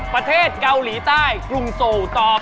ประเทศเกาหลีใต้กรุงโซตอบ